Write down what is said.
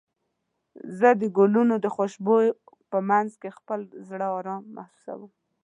زه د ګلونو د خوشبو په مینځ کې خپل زړه ارام محسوسوم.